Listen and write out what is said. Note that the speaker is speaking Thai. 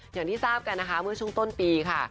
อย่างที่ทราบกันนะคะเมื่อช่วงต้นปีค่ะ